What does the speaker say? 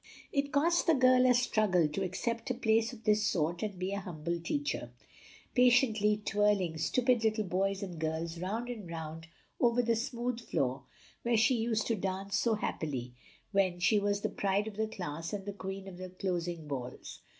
It cost the girl a struggle to accept a place of this sort and be a humble teacher, patiently twirling stupid little boys and girls round and round over the smooth floor where she used to dance so happily when she was the pride of the class and the queen of the closing balls.